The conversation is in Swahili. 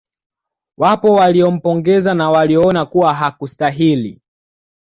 Wapo walio mpongeza na walioona kuwa hakustahili